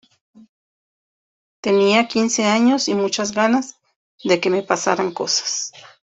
Tenía quince años y muchas ganas de que me pasaran cosas.